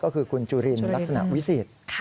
ก็คือคุณจุลินลักษณะวิสิทธิ์